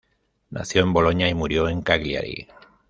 Nació en Boloña y murió en Cagliari.